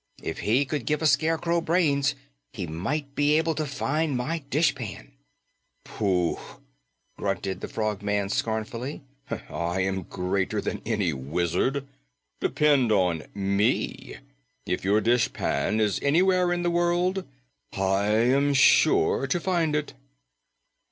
"If he could give a Scarecrow brains, he might be able to find my dishpan." "Poof!" grunted the Frogman scornfully. "I am greater than any wizard. Depend on ME. If your dishpan is anywhere in the world, I am sure to find it."